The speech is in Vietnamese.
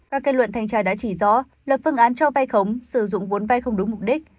các kết luận thanh tra đã chỉ rõ lập phương án cho vay khống sử dụng vốn vay không đúng mục đích